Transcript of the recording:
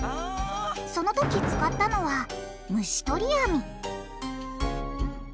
そのとき使ったのは「虫取り網」